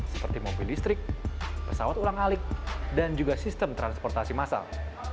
seperti mobil listrik pesawat ulang alik dan juga sistem transportasi massal